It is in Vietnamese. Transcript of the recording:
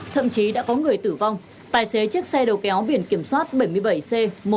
thậm chí đã có người tử vong tài xế chiếc xe đầu kéo biển kiểm soát bảy mươi bảy c một mươi năm nghìn bốn trăm một mươi bốn